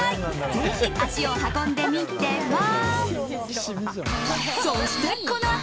ぜひ足を運んでみては？